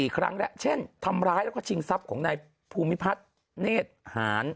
ครั้งแล้วเช่นทำร้ายแล้วก็ชิงทรัพย์ของนายภูมิพัฒน์เนธหาร